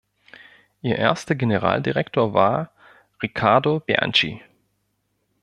Ihr erster Generaldirektor war Riccardo Bianchi.